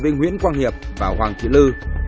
nguyễn quang hiệp và hoàng thị lư